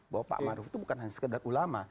bahwa pak maruf itu bukan hanya sekedar ulama